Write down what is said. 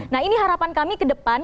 nah ini harapan kami ke depan